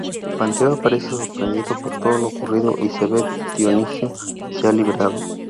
Penteo aparece sorprendido por todo lo ocurrido y ve que Dioniso se ha liberado.